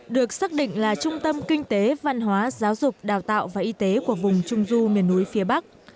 được xác định là trung tâm kinh tế văn hóa giáo dục đào tạo và y tế của vùng trung du miền núi phía bắc